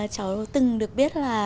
cháu từng được biết là